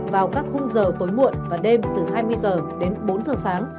vào các khung giờ tối muộn và đêm từ hai mươi h đến bốn h sáng